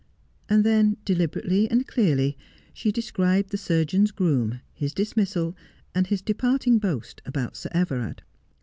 And then, deliberately and clearly, she described the surgeon's groom, his dismissal, and his departing boast about Sir Everard.